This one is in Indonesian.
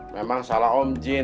memang salah om jin